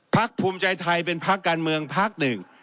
ภักดิ์ภูมิใจไทยเป็นภักดิ์การเมืองภักดิ์หนึ่ง